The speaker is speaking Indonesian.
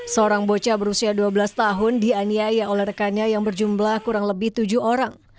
seorang bocah berusia dua belas tahun dianiaya oleh rekannya yang berjumlah kurang lebih tujuh orang